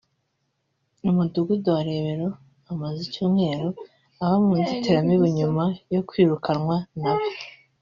umudugudu wa Rebero amaze icyumweru aba mu nzitiramibu nyuma yo kwirukanwa n’abe